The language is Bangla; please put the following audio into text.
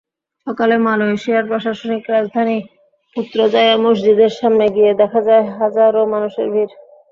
সকালে মালয়েশিয়ার প্রশাসনিক রাজধানী পুত্রজায়া মসজিদের সামনে গিয়ে দেখা যায়, হাজারো মানুষের ভিড়।